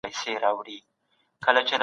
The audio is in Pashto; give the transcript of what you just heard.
خپلو مشرانو ته درناوی وکړه.